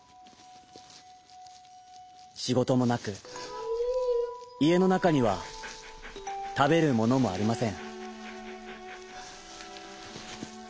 しごともなくいえのなかにはたべるものもありません。